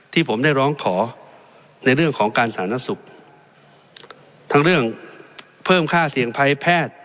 ที่ผมได้ร้องขอในเรื่องของการสาธารณสุขทั้งเรื่องเพิ่มค่าเสี่ยงภัยแพทย์